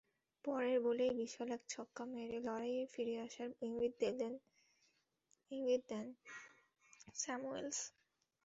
পরের বলেই বিশাল এক ছক্কা মেরে লড়াইয়ে ফিরে আসার ইঙ্গিত দেন স্যামুয়েলস।